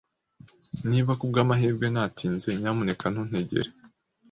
Niba kubwamahirwe natinze, nyamuneka ntuntegere.